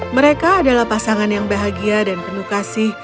mereka adalah pasangan yang bahagia dan penuh kasih